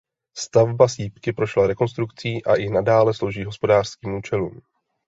Stavba sýpky prošla rekonstrukcí a i nadále slouží hospodářským účelům.